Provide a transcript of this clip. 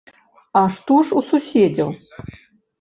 А што ж у суседзяў?